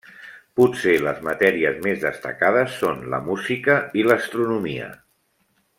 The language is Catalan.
Potser les matèries més destacades són la música i l'astronomia.